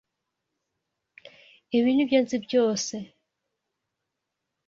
Ibi nibyo nzi byose